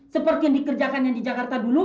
seperti yang dikerjakan yang di jakarta dulu